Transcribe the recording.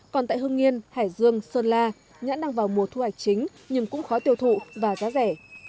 còn tại hương nghiên hải dương sơn la nhãn đang vào mùa thu hạch chính nhưng cũng khó tiêu thụ và giá rẻ